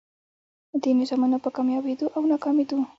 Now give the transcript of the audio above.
دې نظامونو په کاميابېدو او ناکامېدو